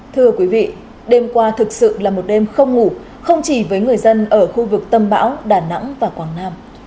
thưa quý vị đêm qua thực sự là một đêm không ngủ không chỉ với người dân ở khu vực tâm bão đà nẵng và quảng nam